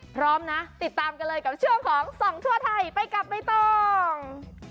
พร้อมนะติดตามกันเลยกับช่วงของส่องทั่วไทยไปกับใบตอง